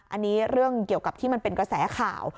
อันนี้เรื่องเกี่ยวกับที่มันเป็นกระแสข่าว